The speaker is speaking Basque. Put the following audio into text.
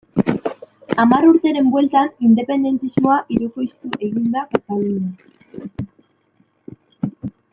Hamar urteren bueltan, independentismoa hirukoiztu egin da Katalunian.